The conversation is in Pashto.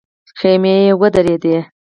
خيمې ودرېدې.